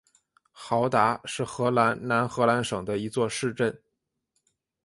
豪达是荷兰南荷兰省的一座市镇。